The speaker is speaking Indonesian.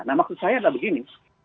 nah maksud saya adalah begini